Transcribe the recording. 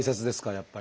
やっぱり。